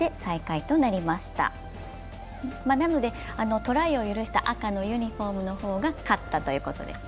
トライを許した赤のユニフォームの方が勝ったということですね。